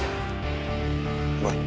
gue tunggu kedatangan